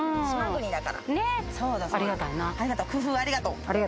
工夫ありがとう。